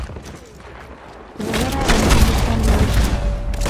Togu ko kararan chi ne talil